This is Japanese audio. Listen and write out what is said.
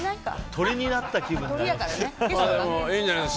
鳥になった気分で。